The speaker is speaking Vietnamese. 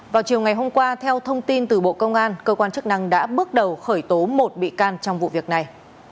vào chiều ngày hôm qua theo thông tin từ bộ công an cơ quan chức năng đã bước đầu khởi tố một bị can trong vụ việc này